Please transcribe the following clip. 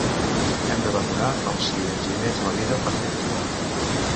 Hem de vacunar com si ens hi anés la vida, perquè ens hi va.